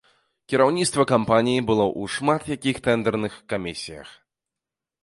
Кіраўніцтва кампаніі было ў шмат якіх тэндэрных камісіях.